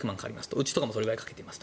うちとかもそれくらいかけています。